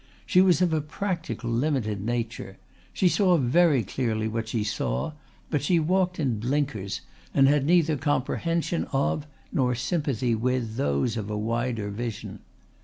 She was of a practical limited nature; she saw very clearly what she saw, but she walked in blinkers, and had neither comprehension of nor sympathy with those of a wider vision.